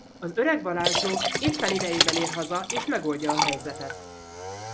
Az öreg varázsló éppen idejében ér haza és megoldja a helyzetet.